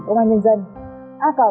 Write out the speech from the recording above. cảm ơn các bạn đã theo dõi